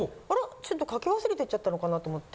ちょっとかけ忘れてっちゃったのかなと思って。